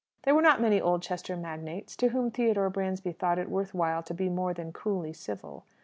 There were not many Oldchester magnates to whom Theodore Bransby thought it worth while to be more than coolly civil.